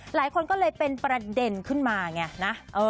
หลายคนก็เลยเป็นประเด็นขึ้นมาไงนะ